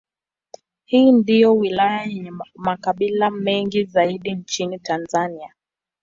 Hii ndiyo wilaya yenye makabila mengi zaidi nchini Tanzania.